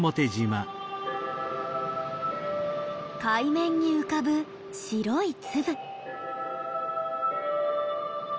海面に浮かぶ白い粒。